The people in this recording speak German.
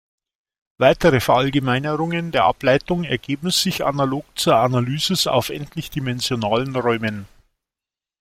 Weitere Verallgemeinerungen der Ableitung ergeben sich analog zur Analysis auf endlichdimensionalen Räumen.